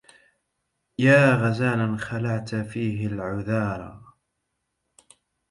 يا غزالا خلعت فيه العذارا